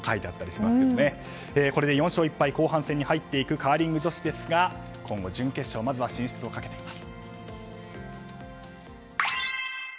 これで４勝１敗で後半戦に入っていくカーリング女子ですがまずは今後準決勝進出をかけています。